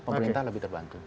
pemerintah lebih terbantu